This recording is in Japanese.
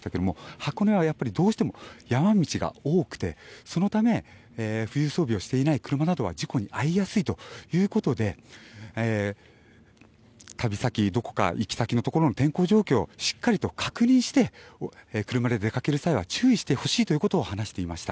箱根は、どうしても山道が多くてそのため冬装備をしていない車などは事故に遭いやすいということで旅先、どこか、行き先のところの天候状況をしっかりと確認して車で出掛ける際は注意してほしいということを話していました。